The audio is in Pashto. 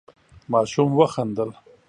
ماشوم وخندل.